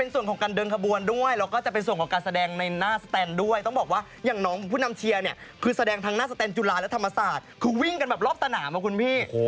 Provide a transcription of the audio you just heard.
ตำน้องเขาหน่อยได้ไหม